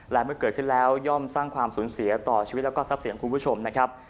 และเมื่อเกิดขึ้นแล้วย่อมสร้างความสูญเสียต่อชีวิตแล้วก็ทรัพย์สินคุณผู้ชมนะครับ